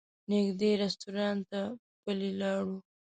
نږدې رسټورانټ ته پلي لاړو.